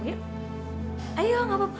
ayu tidak apa apa